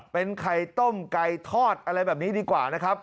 เป็นไข่ต้มไก่ทอดอะไรแบบนี้ดีกว่านะครับ